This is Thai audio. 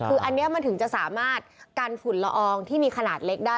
คืออันนี้มันถึงจะสามารถกันฝุ่นละอองที่มีขนาดเล็กได้